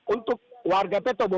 untuk warga petobo